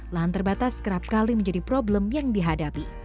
lahan terbatas kerap kali menjadi problem yang dihadapi